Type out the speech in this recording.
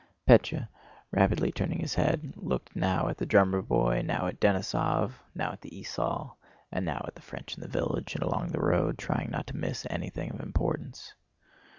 Pétya, rapidly turning his head, looked now at the drummer boy, now at Denísov, now at the esaul, and now at the French in the village and along the road, trying not to miss anything of importance.